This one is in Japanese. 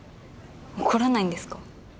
怒らないんですか？